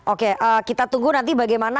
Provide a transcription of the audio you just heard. oke kita tunggu nanti bagaimana